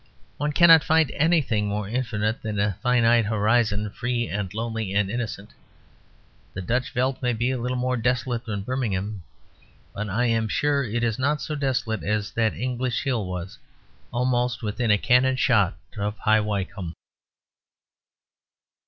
One cannot find anything more infinite than a finite horizon, free and lonely and innocent. The Dutch veldt may be a little more desolate than Birmingham. But I am sure it is not so desolate as that English hill was, almost within a cannon shot of High Wycombe.